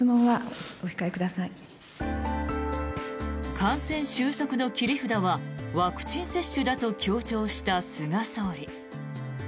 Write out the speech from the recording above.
感染収束の切り札はワクチン接種だと強調した菅総理。